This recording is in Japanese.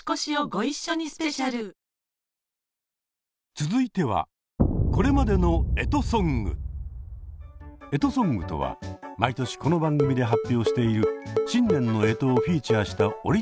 続いては干支ソングとは毎年この番組で発表している新年の干支をフィーチャーしたオリジナルソング。